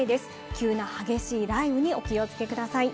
急な激しい雷雨にお気をつけください。